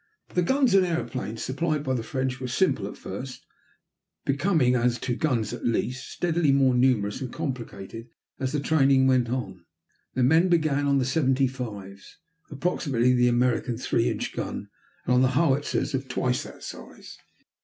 The guns and airplanes supplied by the French were simple at first, becoming, as to guns at least, steadily more numerous and complicated as the training went on. The men began on the seventy fives, approximately the American three inch gun, and on the howitzers of twice that size.